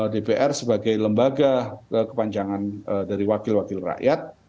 dpr sebagai lembaga kepanjangan dari wakil wakil rakyat